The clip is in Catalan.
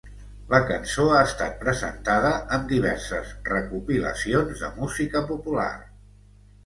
La cançó ha estat presentada en diverses recopilacions de música popular.